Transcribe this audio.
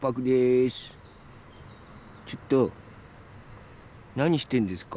ちょっとなにしてんですか？